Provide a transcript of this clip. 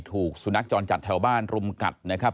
ถูกสุนัขจรจัดแถวบ้านรุมกัดนะครับ